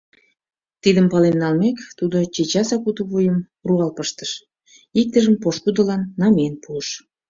Тидым пален налмек, тудо чечасак уто вуйым руал пыштыш, иктыжым пошкудылан намиен пуыш.